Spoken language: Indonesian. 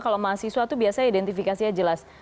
kalau mahasiswa itu biasanya identifikasinya jelas